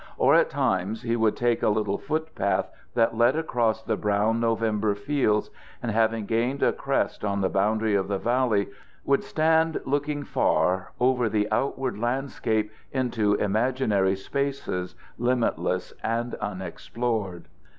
Or at times he would take a little foot path that led across the brown November fields, and, having gained a crest on the boundary of the valley, would stand looking far over the outward landscape into imaginary spaces, limitless and unexplored.